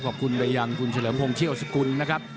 ขอบคุณไปยังคุณเฉลิมพงศเชี่ยวสกุลนะครับ